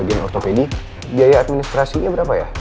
dia udah terminumporum